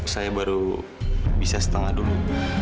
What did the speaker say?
saya baru bisa setengah dulu